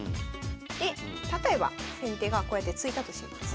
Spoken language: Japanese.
で例えば先手がこうやって突いたとします。